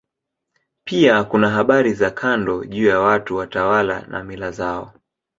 Pia kuna habari za kando juu ya watu, watawala na mila zao.